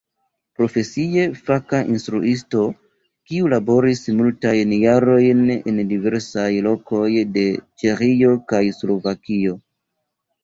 Profesie faka instruisto, kiu laboris multajn jarojn en diversaj lokoj de Ĉeĥio kaj Slovakio.